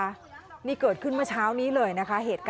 บางคนก็โดนวิ่งเอามีดไล่ฟันด้วยนะคะ